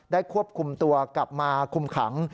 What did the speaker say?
ควบคุมตัวกลับมาคุมขัง